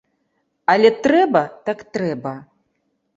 Але трэба, так трэба.